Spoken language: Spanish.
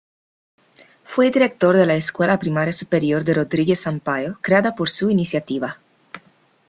Fue director de la Escuela Primaria Superior de Rodrigues Sampaio, creada por su iniciativa.